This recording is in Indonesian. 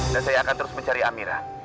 dan saya akan terus mencari amira